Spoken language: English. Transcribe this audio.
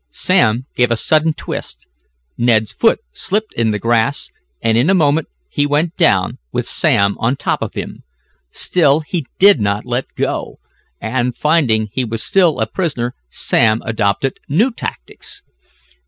Sam gave a sudden twist. Ned's foot slipped in the grass, and in a moment he went down, with Sam on top of him. Still he did not let go, and, finding he was still a prisoner Sam adopted new tactics.